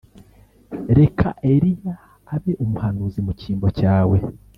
Reka Eliya abe umuhanuzi mu cyimbo cyawe